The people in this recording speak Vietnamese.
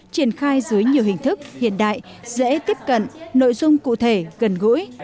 triển khai dưới nhiều hình thức hiện đại dễ tiếp cận nội dung cụ thể gần gũi